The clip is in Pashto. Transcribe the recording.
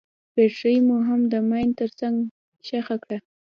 بټرۍ مو هم د ماين تر څنګ ښخه کړه.